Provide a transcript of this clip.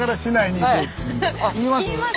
言います？